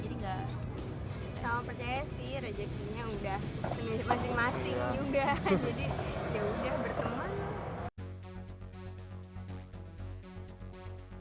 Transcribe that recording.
jadi ya udah berteman